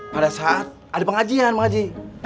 pada saat ada pengajian bang haji